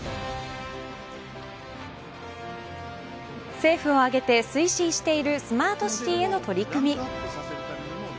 政府を挙げて推進しているスマートシティへの取り組み。